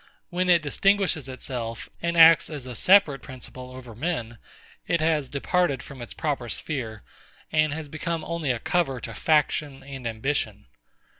When it distinguishes itself, and acts as a separate principle over men, it has departed from its proper sphere, and has become only a cover to faction and ambition.